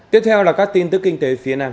tiếp theo là các tin tức kinh tế phía nam